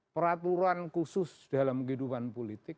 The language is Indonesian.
peraturan khusus dalam kehidupan politik